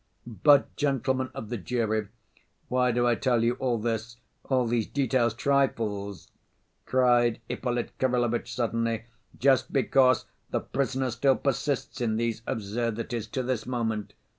"But, gentlemen of the jury, why do I tell you all this, all these details, trifles?" cried Ippolit Kirillovitch suddenly. "Just because the prisoner still persists in these absurdities to this moment.